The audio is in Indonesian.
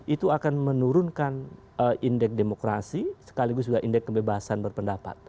itu akan menurunkan indeks demokrasi sekaligus juga indeks kebebasan berpendapat